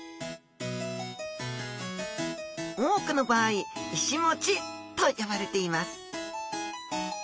多くの場合いしもちと呼ばれています